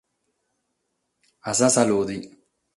A sa salude.